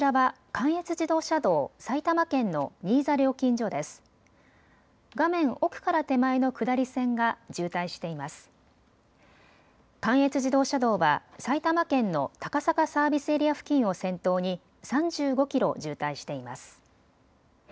関越自動車道は埼玉県の高坂サービスエリア付近を先頭に３５キロ渋滞しています。